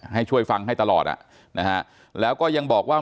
ให้ช่วยฟังให้ตลอดอ่ะนะฮะแล้วก็ยังบอกว่า